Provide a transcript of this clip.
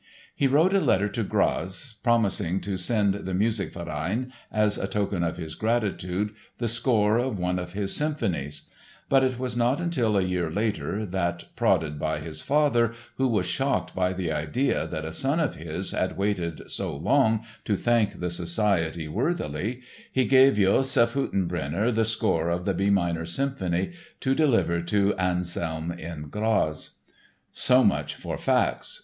He wrote a letter to Graz promising to send the Musikverein, as a token of his gratitude, the score of one of his symphonies. But it was not until a year later that, prodded by his father, who was shocked by the idea that a son of his had waited so long to thank the society "worthily," he gave Josef Hüttenbrenner the score of the B minor Symphony to deliver to Anselm in Graz. So much for facts!